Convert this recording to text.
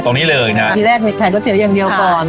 ตรงนี้เลยนะทีแรกขายก๋วเตี๋ยอย่างเดียวก่อน